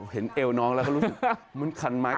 เห็นแอวน้องแล้วเขารู้มีเหมือนคาร์นไมซ์